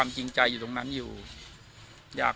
วันนี้ก็จะเป็นสวัสดีครับ